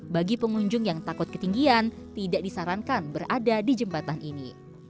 bagi pengunjung yang takut ketinggian tidak disarankan berada di jembatan ini